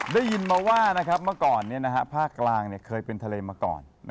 ได้ยินมาว่าเมื่อก่อนภาคกลางเคยเป็นทะเลมาก่อน